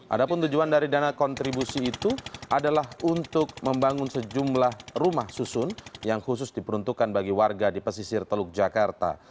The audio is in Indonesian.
ada pun tujuan dari dana kontribusi itu adalah untuk membangun sejumlah rumah susun yang khusus diperuntukkan bagi warga di pesisir teluk jakarta